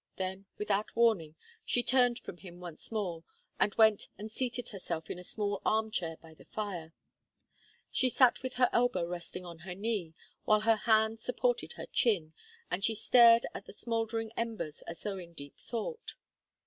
Then, without warning, she turned from him once more, and went and seated herself in a small arm chair by the fire. She sat with her elbow resting on her knee, while her hand supported her chin, and she stared at the smouldering embers as though in deep thought.